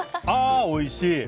ああ、おいしい。